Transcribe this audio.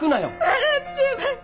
笑ってます。